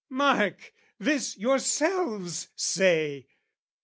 Mark, this yourselves say!